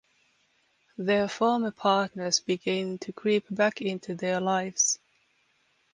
Their former partners begin to creep back into their lives.